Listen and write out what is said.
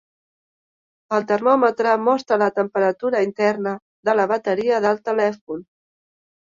El termòmetre mostra la temperatura interna de la bateria del telèfon.